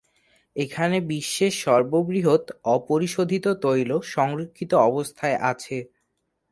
এখানে বিশ্বের সর্ববৃহৎ অপরিশোধিত তৈল সংরক্ষিত অবস্থায় আছে।